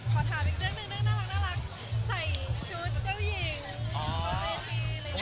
ขอถามอีกเรื่องหนึ่งน่ารัก